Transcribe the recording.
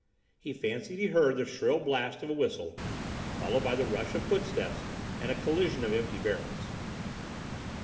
He fancied he heard the shrill blast of a whistle, followed by the rush of footsteps and a collision of empty barrels.